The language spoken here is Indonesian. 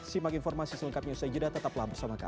simak informasi selengkapnya usai jeda tetaplah bersama kami